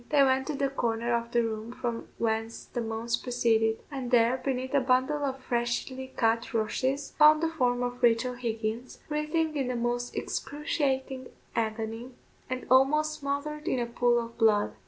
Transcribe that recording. They went to the corner of the room from whence the moans proceeded, and there, beneath a bundle of freshly cut rushes, found the form of Rachel Higgins, writhing in the most excruciating agony, and almost smothered in a pool of blood.